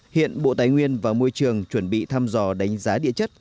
hiện bộ tài nguyên và môi trường chuẩn bị thăm dò đánh giá địa chất